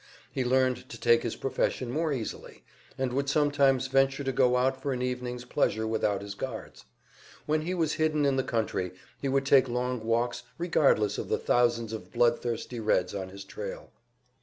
He learned to take his profession more easily, and would sometimes venture to go out for an evening's pleasure without his guards. When he was hidden in the country he would take long walks regardless of the thousands of blood thirsty Reds on his trail.